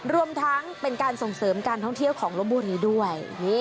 รวมทั้งเป็นการส่งเสริมการท่องเที่ยวของลบบุรีด้วย